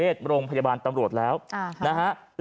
แล้วก็มีผู้ชาย๓คนเดินทางไปหาตำรวจคือนายตานุพัทรเลอธวีวิทย์หรือไฮโสปอร์